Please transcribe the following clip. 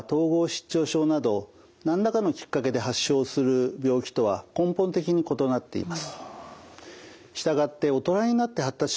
失調症など何らかのきっかけで発症する病気とは根本的に異なっています。